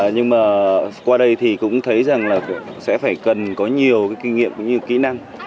nhưng mà qua đây thì cũng thấy rằng là sẽ phải cần có nhiều kinh nghiệm cũng như kỹ năng